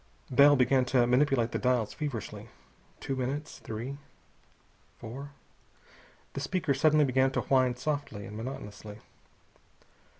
Bell began to manipulate the dials feverishly. Two minutes. Three. Four. The speaker suddenly began to whine softly and monotonously.